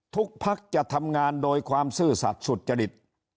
ภักดิ์จะทำงานโดยความซื่อสัตว์สุจริต